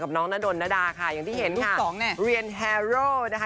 น้องนาดนดาค่ะอย่างที่เห็นลูกสองเนี่ยเรียนแฮโร่นะคะ